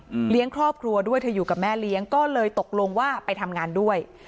เลี้ยงครอบครัวด้วยเธออยู่กับแม่เลี้ยงก็เลยตกลงว่าไปทำงานด้วย